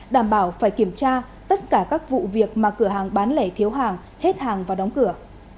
đảm bảo phải kiểm tra tất cả các vụ việc mà cửa hàng bán lẻ thiếu hàng hết hàng và đóng cửa